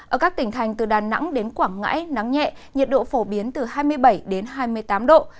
ở các tỉnh thành từ đà nẵng đến quảng ngãi nắng nhẹ nhiệt độ phổ biến từ hai mươi bảy đến hai mươi tám độ